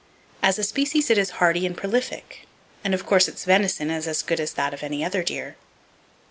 As a species it is hardy and prolific, and of course its venison is as good as that of any other deer.